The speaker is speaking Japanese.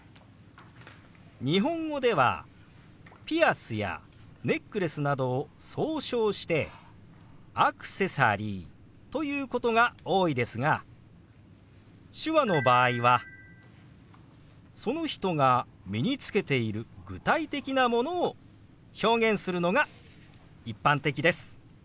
日本語ではピアスやネックレスなどを総称して「アクセサリー」と言うことが多いですが手話の場合はその人が身につけている具体的なものを表現するのが一般的です。